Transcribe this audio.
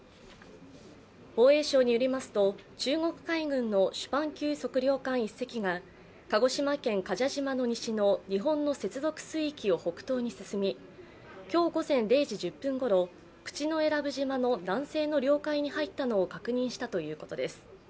防衛省によりますと中国海軍のシュパン級測量艦１隻が鹿児島県臥蛇島の西の日本の接続水域を北東に進み今日午前０時１０分ごろ口永良部島の南西の領海に入ったのを確認したということです。